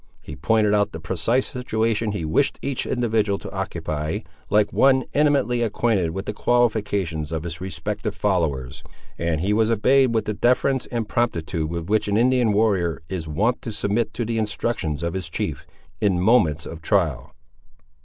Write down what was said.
He pointed out the precise situation he wished each individual to occupy, like one intimately acquainted with the qualifications of his respective followers, and he was obeyed with the deference and promptitude with which an Indian warrior is wont to submit to the instructions of his chief, in moments of trial.